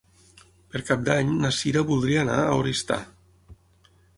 Per Cap d'Any na Cira voldria anar a Oristà.